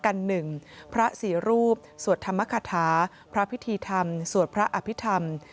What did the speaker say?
กันหนึ่งพระศรีรูปสวัสดิ์ธรรมคาฐาพระพิธีธรรมสวัสดิ์พระอภิธรรม